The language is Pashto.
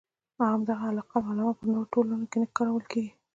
همدا لقب علامه په نورو ټولنو کې نه کارول کېږي.